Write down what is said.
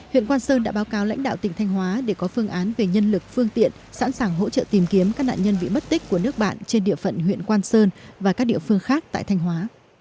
huyện quang sơn đã báo cáo lãnh đạo tỉnh thanh hóa để có phương án về nhân lực phương tiện sẵn sàng hỗ trợ tìm kiếm các nạn nhân bị mất tích của nước bạn trên địa phận huyện quang sơn và các địa phương khác tại thanh hóa